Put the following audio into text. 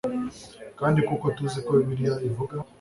kandi kuko tuzi ko bibiliya ivuga